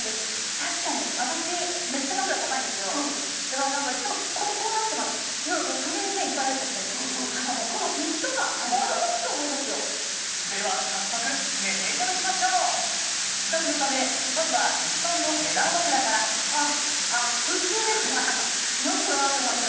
確かに私めっちゃ枕高いんですよだからなんかいつもこうなってますだからもう首に線いっぱい入っちゃってただもうこのフィット感驚くと思いますよでは早速寝ていただきましょう比較のためまずは一般のフェザー枕からあっ普通ですねあまあまあ